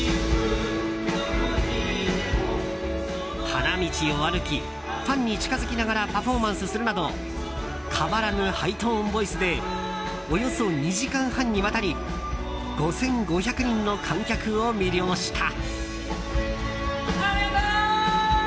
花道を歩きファンに近づきながらパフォーマンスするなど変わらぬハイトーンボイスでおよそ２時間半にわたり５５００人の観客を魅了した。